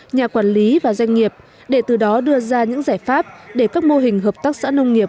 nhà quản lý và doanh nghiệp để từ đó đưa ra những giải pháp để các mô hình hợp tác xã nông nghiệp